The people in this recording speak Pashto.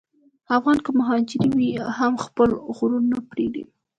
افغان که مهاجر وي، هم خپل غرور نه پرېږدي.